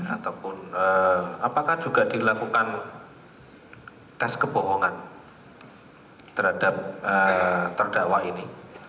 ataupun apakah juga dilakukan tes kebohongan terhadap terdakwa ini